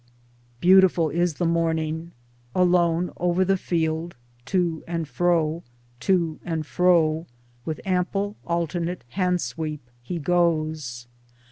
Beautiful is the morning. Alone over the field, to and fro, to and fro, with ample alternate hand sweep he goes.